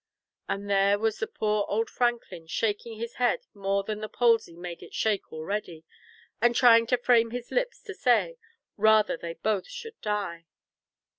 And there was the poor old franklin shaking his head more than the palsy made it shake already, and trying to frame his lips to say, 'rather they both should die.